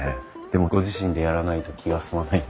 でもご自身でやらないと気が済まない。